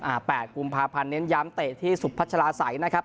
แปดกุมภาพันธ์เน้นย้ำเตะที่สุพัชลาศัยนะครับ